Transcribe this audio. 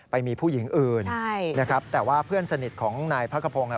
ไปมีผู้หญิงอื่นแต่ว่าเพื่อนสนิทของนายพักขพงศ์